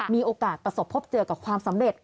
มีโอกาสประสบพบเจอกับความสำเร็จ